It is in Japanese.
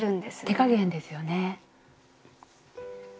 手加減ですよね。